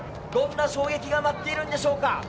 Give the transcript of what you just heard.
どんな衝撃が待っているんでしょうか。